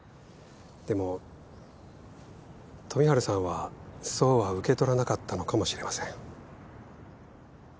でも富治さんはそうは受け取らなかったのかもしれません。